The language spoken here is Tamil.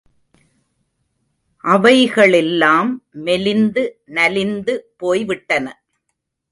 அவை களெல்லாம் மெலிந்து நலிந்து போய்விட்டன!